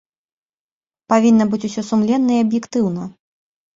Павінна быць усё сумленна і аб'ектыўна.